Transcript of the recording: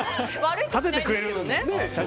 立ててくれるよね。